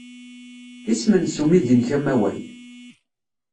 Isem-nnes umidi-nnek amaway?